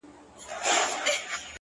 اې ښكلي پاچا سومه چي ستا سومه؛